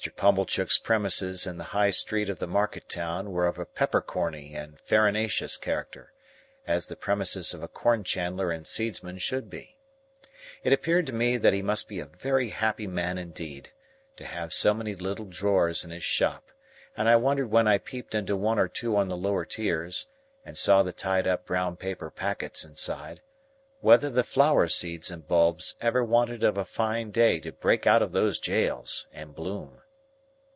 Mr. Pumblechook's premises in the High Street of the market town, were of a peppercorny and farinaceous character, as the premises of a cornchandler and seedsman should be. It appeared to me that he must be a very happy man indeed, to have so many little drawers in his shop; and I wondered when I peeped into one or two on the lower tiers, and saw the tied up brown paper packets inside, whether the flower seeds and bulbs ever wanted of a fine day to break out of those jails, and bloom.